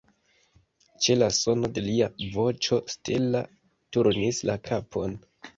Ĉe la sono de lia voĉo Stella turnis la kapon.